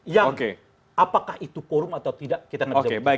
yang apakah itu korum atau tidak kita ngejawabkan